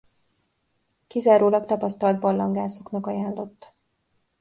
Kizárólag tapasztalt barlangászoknak ajánlott.